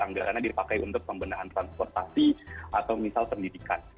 anggarannya dipakai untuk pembenahan transportasi atau misal pendidikan